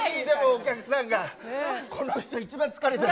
お客さんが、この人一番疲れ